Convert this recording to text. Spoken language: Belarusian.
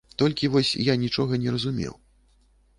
Толькі вось я нічога не разумеў.